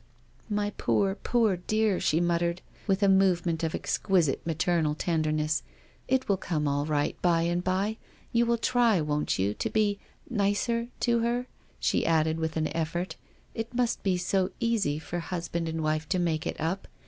" My poor, poor dear," she muttered, with a movement of exquisite maternal tenderness, " it will come all right by and by. You will try, won't you, to be — nicer — to her ?" she added with an effort. " It must be so easy for husband and wife to make it up.